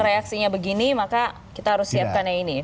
reaksinya begini maka kita harus siapkan yang ini